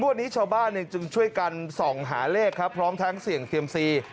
วันนี้ชาวบ้านจึงช่วยกันส่องหาเลขครับพร้อมทั้งเสี่ยงเซียมซี